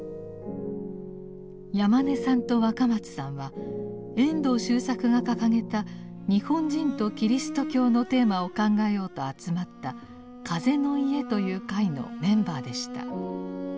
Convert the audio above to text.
山根さんと若松さんは遠藤周作が掲げた日本人とキリスト教のテーマを考えようと集まった「風の家」という会のメンバーでした。